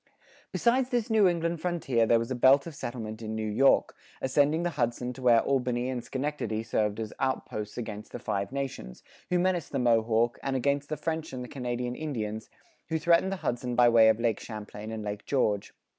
Besides this New England frontier there was a belt of settlement in New York, ascending the Hudson to where Albany and Schenectady served as outposts against the Five Nations, who menaced the Mohawk, and against the French and the Canadian Indians, who threatened the Hudson by way of Lake Champlain and Lake George.